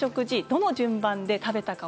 どの順番で食べたか